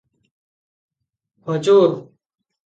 ହଜୁର!